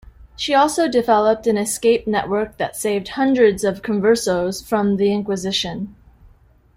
She also developed an escape network that saved hundreds of Conversos from the Inquisition.